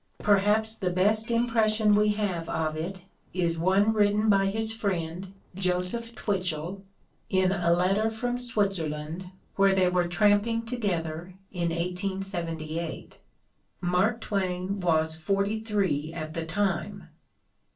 Perhaps the best impression we have of it is one written by his friend Joseph Twitchell in a letter from Switzerland where they were tramping together in 1878. Mark Twain was 148 The Playboy in Letters 149 forty three at the time.